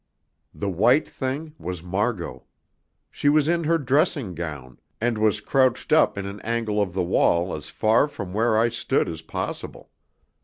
The white thing was Margot. She was in her dressing gown, and was crouched up in an angle of the wall as far away from where I stood as possible.